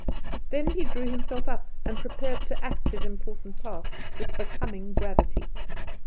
Then he drew himself up, and prepared to act his important part with becoming gravity.